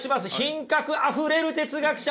品格あふれる哲学者